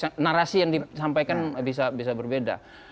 nah narasi yang disampaikan bisa berbeda